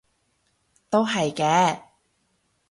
都係嘅